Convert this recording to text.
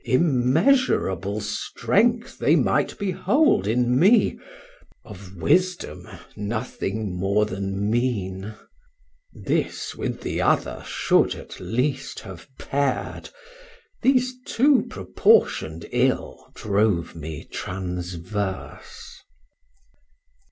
Immeasurable strength they might behold In me, of wisdom nothing more then mean; This with the other should, at least, have paird, These two proportiond ill drove me transverse.